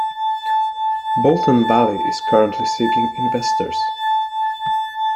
Bolton Valley is currently seeking investors.